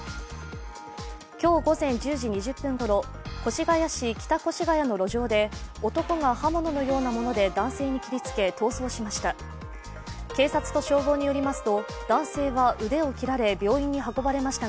今日午前１０時２０分頃越谷市北越谷の路上で男が刃物のようなもので男性に切りつけ、逃走しました。